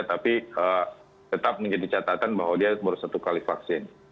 tapi tetap menjadi catatan bahwa dia baru satu kali vaksin